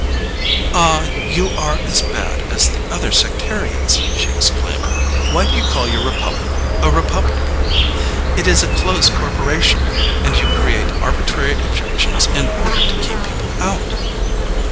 "Ah, you are as bad as the other sectarians," she exclaimed; "why do you call your republic a republic? It is a closed corporation, and you create arbitrary objections in order to keep people out."